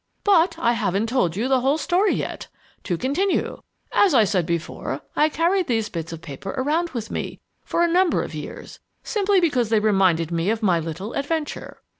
But I haven't told you the whole story yet. To continue! As I said before, I carried these bits of paper around with me for a number of years, simply because they reminded me of my little adventure.